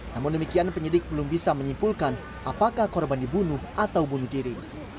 namun demikian penyidik belum bisa menyimpulkan apakah korban dibunuh atau bunuh diri